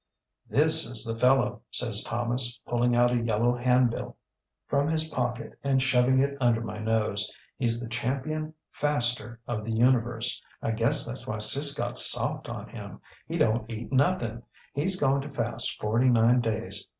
ŌĆÖ ŌĆ£ŌĆśThis is the fellow, ŌĆÖ says Thomas, pulling out a yellow handbill from his pocket and shoving it under my nose. ŌĆśHeŌĆÖs the Champion Faster of the Universe. I guess thatŌĆÖs why Sis got soft on him. He donŌĆÖt eat nothing. HeŌĆÖs going to fast forty nine days.